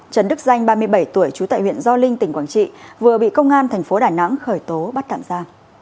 trần đức danh ba mươi bảy tuổi trú tại huyện gio linh tỉnh quảng trị vừa bị công an thành phố đà nẵng khởi tố bắt tạm ra